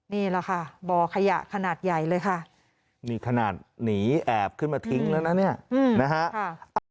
นี่แหละค่ะบ่อขยะขนาดใหญ่เลยค่ะนี่ขนาดหนีแอบขึ้นมาทิ้งแล้วนะเนี่ยนะฮะ